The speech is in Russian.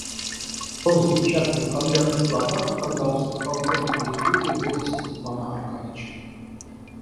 Он запечатывал конверт к адвокату, когда услыхал громкие звуки голоса Степана Аркадьича.